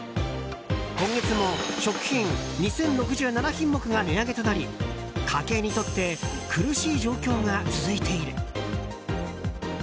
今月も食品２０６７品目が値上げとなり家計にとって苦しい状況が続いている。